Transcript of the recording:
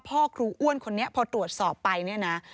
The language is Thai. พ่อครูอ้วนคนนี้พอตรวจสอบไปเนี่ยนะ